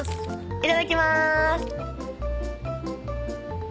いただきます。